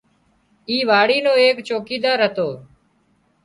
اي واڙي نو ايڪ چوڪيدار هتو